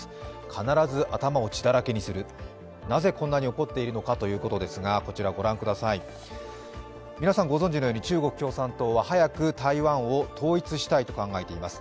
必ず頭を血だらけにする、なぜこんなに怒っているのかということですが、皆さんご存じのように中国共産党は早く台湾を統一したいと考えています。